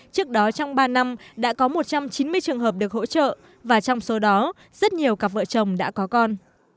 trước đó trong ba năm đã có một trăm chín mươi trường hợp được hỗ trợ và trong số đó rất nhiều cặp vợ chồng đã có con